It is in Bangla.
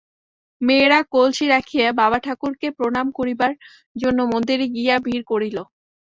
মেয়েরা কলসী রাখিয়া বাবাঠাকুরকে প্রণাম করিবার জন্য মন্দিরে গিয়া ভিড় করিল।